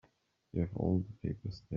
You have all the papers there.